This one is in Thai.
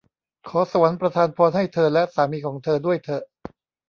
ขอสวรรค์ประทานพรให้เธอและสามีของเธอด้วยเถอะ !